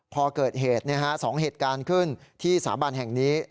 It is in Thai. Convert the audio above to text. พอเกิดเหตุ๒เหตุการณ์ขึ้นที่สาบันแห่งนี้